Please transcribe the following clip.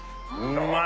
うまい！